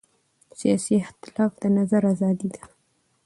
سیاسي اختلاف د نظر ازادي ده